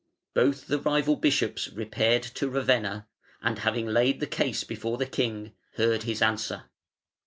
Both the rival bishops repaired to Ravenna, and having laid the case before the king, heard his answer.